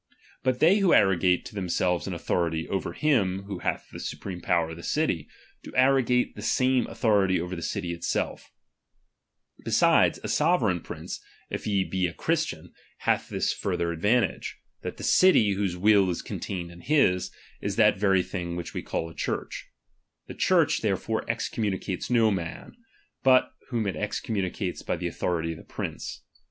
But RELIGION. they who arrogate to themselves an authority over chap.xvi him who hath the supreme power of the city, do _^^" arrogate the same authority over the city itself, muuicou™ i». Besides, a sovereign prince, if he be a Christian, itiMuioi(ni«. hath this further advantage ; that the city whose will is contained in his, is that very thing which we call a Church, The Church therefore excommuni cates no man, but whom It excommunicates by the authority of the priuce.